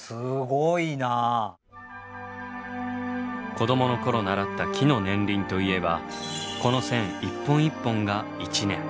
子どものころ習った木の年輪といえばこの線一本一本が１年。